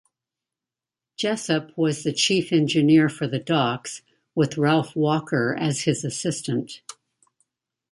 Jessop was the Chief Engineer for the docks, with Ralph Walker as his assistant.